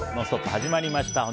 始まりました。